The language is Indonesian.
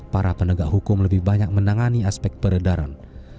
para penegak hukum lebih banyak menangani aspek peredaran